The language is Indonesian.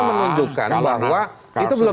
menunjukkan bahwa itu belum